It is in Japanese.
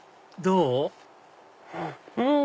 うん！